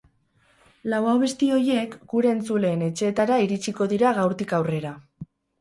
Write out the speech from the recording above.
Lau abesti horiek gure entzuleen etxeetara iritsiko dira gaurtik aurrera.